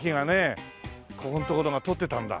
ここん所通ってたんだ。